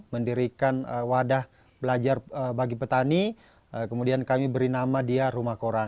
mendirikan wadah belajar bagi petani kemudian kami beri nama dia rumah koran